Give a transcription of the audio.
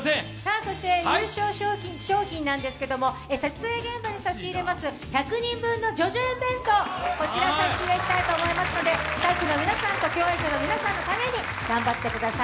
そして、優勝賞品ですが撮影現場に差し入れます１００人分の叙々苑弁当、こちら差し入れたいと思いますのでスタッフの皆さんと共演者の皆さんのために頑張ってください。